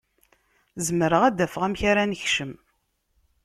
Zemreɣ ad d-afeɣ amek ara nekcem.